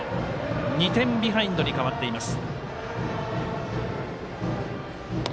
２点ビハインドに変わっています。